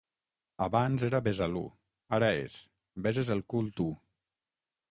Abans era Besalú, ara és: beses el cul tu.